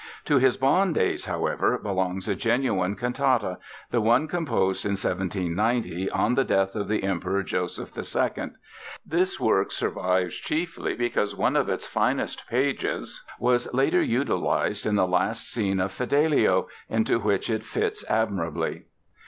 To his Bonn days, however, belongs a genuine cantata, the one composed in 1790 on the death of the Emperor Joseph II. This work survives chiefly because one of its finest pages was later utilized in the last scene of Fidelio, into which it fits admirably.